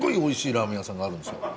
ラーメン屋さんがあるんですよ。